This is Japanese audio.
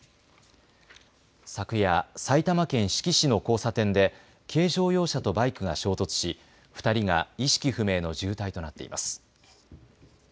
昨夜、埼玉県志木市の交差点で軽乗用車とバイクが衝突し２人が意識不明の重体となっています。